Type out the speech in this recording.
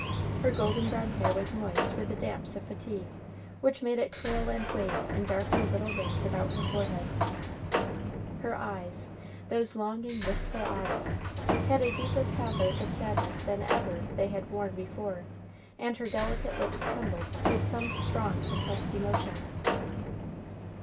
Her golden brown hair was moist with the damps of fatigue, which made it curl and wave in darker little rings about her forehead; her eyes, those longing, wistful eyes, had a deeper pathos of sadness than ever they had worn before; and her delicate lips trembled with some strong suppressed emotion.